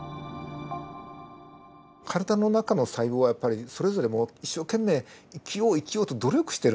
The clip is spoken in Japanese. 体の中の細胞はやっぱりそれぞれ一生懸命生きよう生きようと努力してるんですよね。